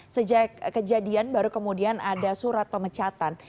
sejak kejadian baru kemudian ada surat pemecatan